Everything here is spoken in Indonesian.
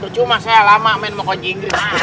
cuma saya lama main makan inggris